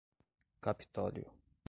Capitólio